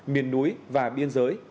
miền núi và biên giới